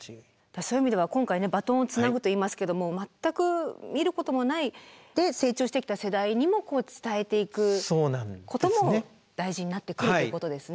そういう意味では今回バトンをつなぐといいますけども全く見ることもないで成長してきた世代にも伝えていくことも大事になってくるということですね。